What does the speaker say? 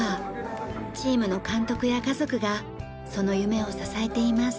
チームの監督や家族がその夢を支えています。